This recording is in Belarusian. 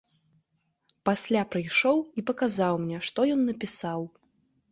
Пасля прыйшоў і паказаў мне, што ён напісаў.